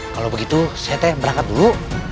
kalau begitu saya teh berangkat dulu